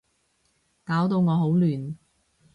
搞到我好亂